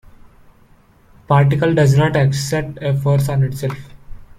Particle does not exert a force on itself.